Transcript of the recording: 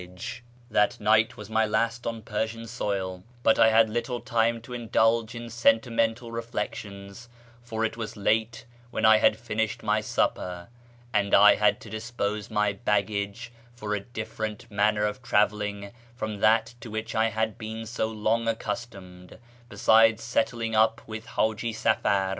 FROM KIRMAN to ENGLAND 567 That night was my last on Persian soil, but I had little time to indulge in sentimental reflections, for it was late when I had finished my supper, and I had to dispose my baggage for a different manner of travelling from that to which I had been so long accustomed, besides settling up with Haji Safar.